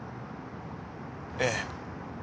ええ。